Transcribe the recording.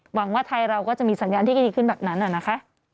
หวังว่าไทยเราก็จะมีสัญญาณที่ก็ดีขึ้นแบบนั้นนะคะ